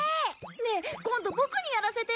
ねえ今度ボクにやらせて！